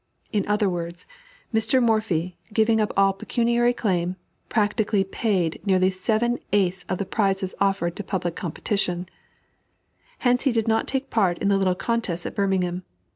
In other words, Mr. Morphy, giving up all pecuniary claim, practically paid nearly seven eighths of the prizes offered to public competition. Hence he did not take part in the little contests at Birmingham.